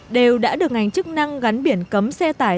đều đã được ngành chức năng gắn biển cấm xe tải